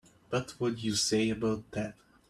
What would you say about that?